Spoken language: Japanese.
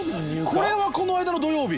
これはこの間の土曜日。